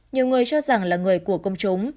nhiều người cho rằng là người của công chúng